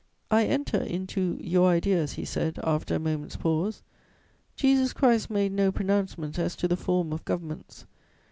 "'I enter into your ideas,' he said, after a moment's pause. 'Jesus Christ made no pronouncement as to the form of governments.